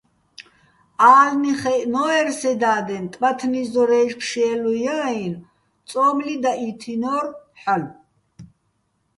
ა́ლნი ხაჲჸნო́ერ სე და́დენ, ტბათნი ზორაჲში̆ ფშე́ლუჲ ჲა -აჲნო̆, წო́მლი დაჸითინო́რ ჰ̦ალო̆.